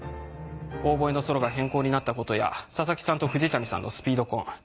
オーボエのソロが変更になったことや佐々木さんと藤谷さんのスピード婚。